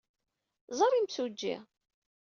Ẓer imsujji!